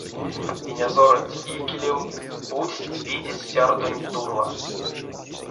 Инязоронть икелев путсть пидезь сярдонь турва.